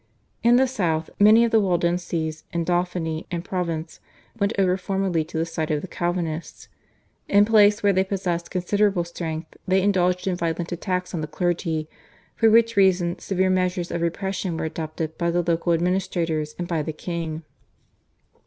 In the South many of the Waldenses in Dauphiny and Provence went over formally to the side of the Calvinists. In places where they possessed considerable strength they indulged in violent attacks on the clergy, for which reason severe measures of repression were adopted by the local administrators and by the king.